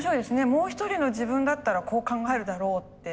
もう一人の自分だったらこう考えるだろうって。